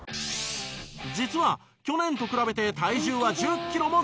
実は去年と比べて体重は１０キロも増加。